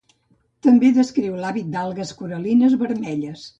També descriu l'hàbit d'algues coral·lines vermelles.